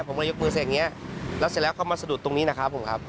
ผมก็ยกมือเสร็จอย่างนี้แล้วเสร็จแล้วเขามาสะดุดตรงนี้นะครับผมครับ